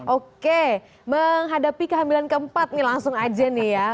oke menghadapi kehamilan keempat nih langsung aja nih ya